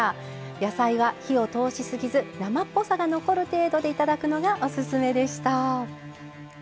野菜は火を通しすぎず生っぽさが残る程度でいただくのがオススメでした。